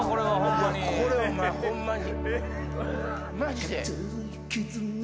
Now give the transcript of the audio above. これおまえホンマに。